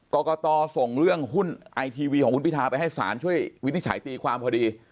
กรกตส่งเรื่องหุ้นไอทีวีของคุณพิทาไปให้ศาลช่วยวินิจฉัยตีความพอดี